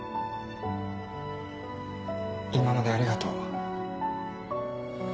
今までありがとう。